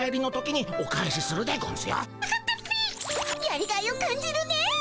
やりがいを感じるねえ。